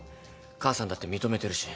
母さんだって認めてるし。